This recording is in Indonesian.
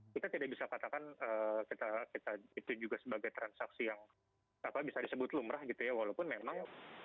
kita tidak bisa katakan itu juga sebagai transaksi yang bisa disebut lumrah gitu ya walaupun memang